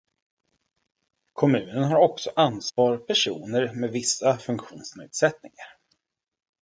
Kommunen har också ansvar för personer med vissa funktionsnedsättningar.